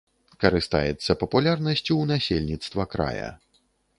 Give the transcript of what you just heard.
Карыстаецца папулярнасцю ў насельніцтва края.